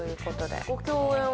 ご共演は？